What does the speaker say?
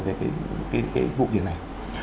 về cái vụ việc này